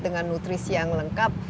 dengan nutrisi yang lengkap